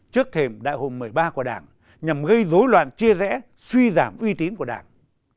trước thềm đại hội một mươi ba của đảng nhằm gây dối loạn chia rẽ suy giảm uy tín của đảng